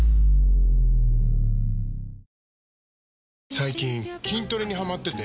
最近筋トレにハマってて。